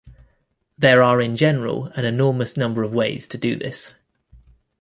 There are in general an enormous number of ways to do this.